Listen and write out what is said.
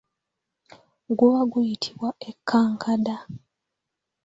Guba guyitibwa ekkankada.